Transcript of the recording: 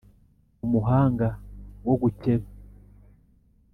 Umuhanga wo gukeba